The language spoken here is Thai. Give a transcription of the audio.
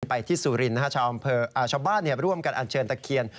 ไปที่สุรินทร์ชาวบ้านร่วมกันอันเชิญตะเคียน